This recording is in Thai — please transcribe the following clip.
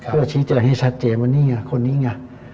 เพื่อชี้แจงให้ชัดเจนว่านี่ไงคนนี้ไง